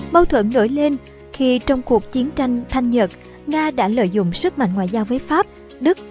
mâu thuẫn nổi lên khi trong cuộc chiến tranh thanh nhật nga đã lợi dụng sức mạnh ngoại giao với pháp đức